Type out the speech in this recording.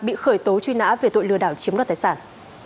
bị khởi tố truy nã về tội lừa đảo chiếm đoạt tài sản